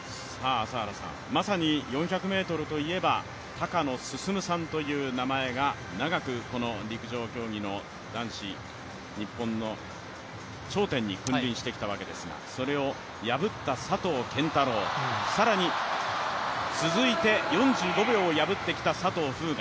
まさに４００ｍといえば、高野進さんという名前が長くこの陸上競技の男子日本の頂点に君臨してきたわけですがそれを破った佐藤拳太郎、更に、続いて４５秒を破ってきた佐藤風雅。